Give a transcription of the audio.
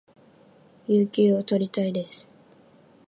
有給を取りたいです